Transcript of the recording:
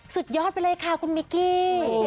สุดยอดไปเลยค่ะคุณมิกกี้